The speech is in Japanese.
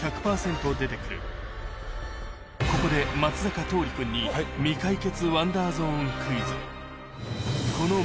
ここで松坂桃李君にえぇ。